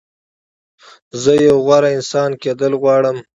زه یو غوره انسان کېدل غواړم.